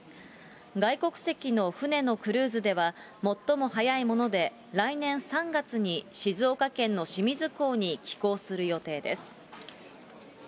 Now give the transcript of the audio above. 外国籍の船のクルーズでは、最も早いもので来年３月に静岡県の清水港に寄港する予定です。